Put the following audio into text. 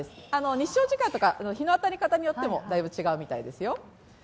日照時間とか日の当たり方によっても違うみたいですよ。